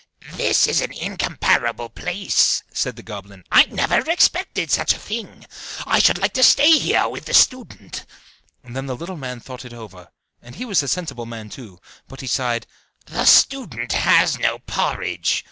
"This is an incomparable place," said the goblin: "I never expected such a thing! I should like to stay here with the student." And then the little man thought it over and he was a sensible little man too but he sighed, "The student has no porridge!"